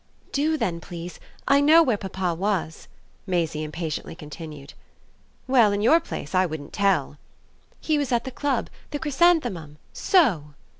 "Do then, please. I know where papa was," Maisie impatiently continued. "Well, in your place I wouldn't tell." "He was at the club the Chrysanthemum. So!"